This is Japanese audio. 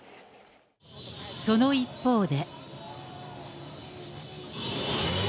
その一方で。